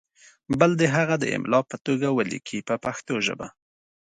بل دې هغه د املا په توګه ولیکي په پښتو ژبه.